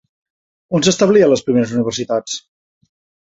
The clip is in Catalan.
On s'establien les primeres universitats?